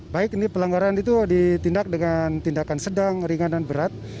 baik ini pelanggaran itu ditindak dengan tindakan sedang ringan dan berat